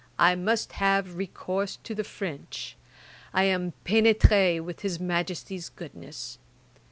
I must have recourse to the French. I am pénétré with his Majesty's goodness.'